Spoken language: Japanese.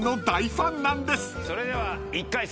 それでは１回戦。